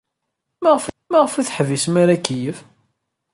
Maɣef ur teḥbisemt ara akeyyef?